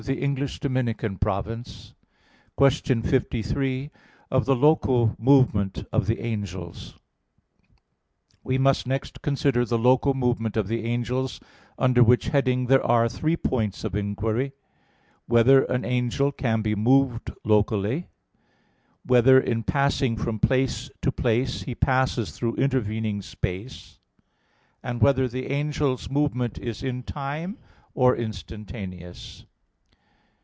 _______________________ QUESTION 53 OF THE LOCAL MOVEMENT OF THE ANGELS (In Three Articles) We must next consider the local movement of the angels; under which heading there are three points of inquiry: (1) Whether an angel can be moved locally. (2) Whether in passing from place to place he passes through intervening space? (3) Whether the angel's movement is in time or instantaneous?